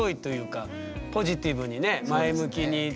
ポジティブにね前向きに。